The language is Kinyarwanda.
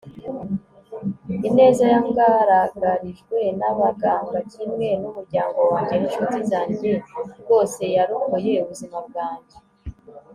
ineza yangaragarijwe, n'abaganga kimwe n'umuryango wanjye n'inshuti zanjye, rwose yarokoye ubuzima bwanjye